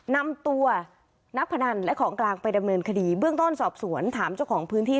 นำตัวนักพนันและของกลางไปดำเนินคดีเบื้องต้นสอบสวนถามเจ้าของพื้นที่